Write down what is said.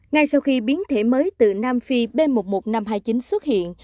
ngay sau khi biến thể mới từ nam phi b một một năm trăm hai mươi chín xuất hiện